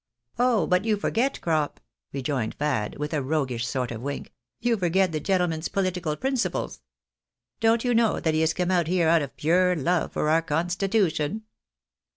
" Oh ! but you forget, Crop," rejoined Fad, with a roguish sort of wink, " you forget the gentleman's political principles. Don't you know that he is come out here out of pure love for our con stitution